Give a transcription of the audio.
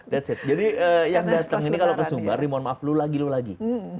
that's it jadi yang datang ini kalau ke sumbar ri mohon maaf lu lagi lu lagi